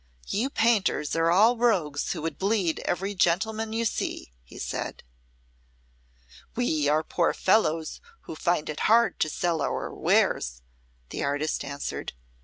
"You painters are all rogues who would bleed every gentleman you see," he said. "We are poor fellows who find it hard to sell our wares," the artist answered.